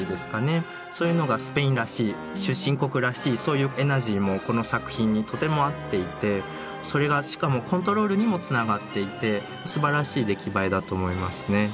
そういうのがスペインらしい出身国らしいそういうエナジーもこの作品にとても合っていてそれがしかもコントロールにもつながっていてすばらしい出来栄えだと思いますね。